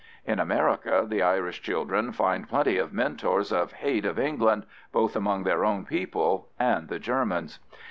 In America, the Irish children find plenty of mentors of hate of England, both among their own people and the Germans.